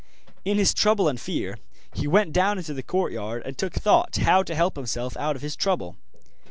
In his trouble and fear he went down into the courtyard and took thought how to help himself out of his trouble.